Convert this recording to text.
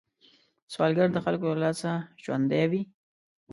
سوالګر د خلکو له لاسه ژوندی وي